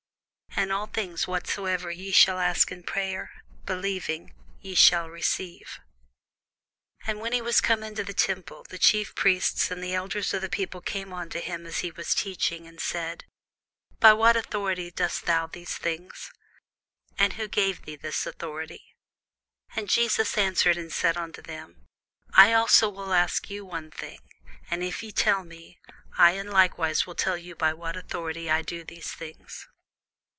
And all things, whatsoever ye shall ask in prayer, believing, ye shall receive. [Sidenote: St. Matthew 21] And when he was come into the temple, the chief priests and the elders of the people came unto him as he was teaching, and said, By what authority doest thou these things? and who gave thee this authority? And Jesus answered and said unto them, I also will ask you one thing, which if ye tell me, I in like wise will tell you by what authority I do these things.